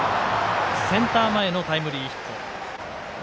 センター前のタイムリーヒット。